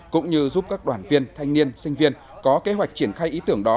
cũng như giúp các đoàn viên thanh niên sinh viên có kế hoạch triển khai ý tưởng đó